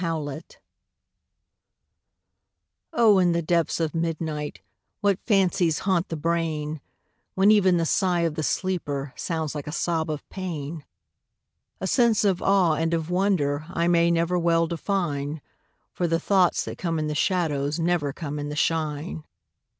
IN THE DARK O In the depths of midnight What fancies haunt the brain! When even the sigh of the sleeper Sounds like a sob of pain. A sense of awe and of wonder I may never well define, For the thoughts that come in the shadows Never come in the shine.